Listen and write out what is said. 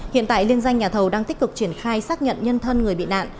hiện tại liên doanh nhà thầu đang tích cực triển khai xác nhận nhân thân người bị nạn